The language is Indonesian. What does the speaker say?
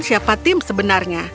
siapa tim sebenarnya